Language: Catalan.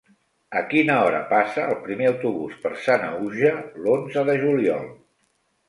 A quina hora passa el primer autobús per Sanaüja l'onze de juliol?